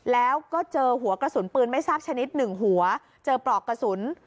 แล้วก็เจอหัวกระสุนปืนไม่ทราบชนิดหนึ่งหัวเจอปลอกกระสุน